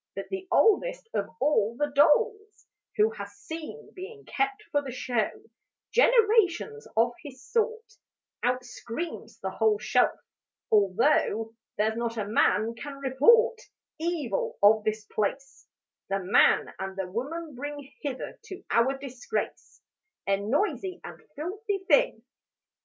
But the oldest of all the dolls Who had seen, being kept for show, Generations of his sort, Out screams the whole shelf: 'Although There's not a man can report Evil of this place, The man and the woman bring Hither to our disgrace, A noisy and filthy thing.'